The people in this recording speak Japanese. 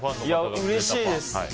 うれしいです。